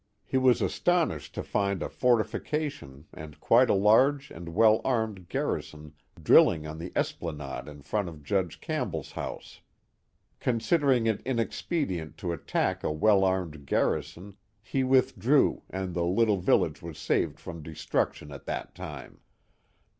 He was astonished to find a fortification and quite a large and well armed garri son drilling on the esplanade in front of Judge Campbell's house. Considering it inexpedient to attack a well armed garrison he withdrew and the little village was saved from de struction at that time.